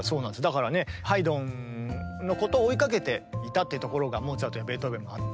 だからねハイドンのことを追いかけていたっていうところがモーツァルトやベートーベンもあって。